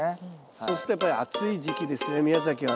そうするとやっぱり暑い時期ですね宮崎はねまだね。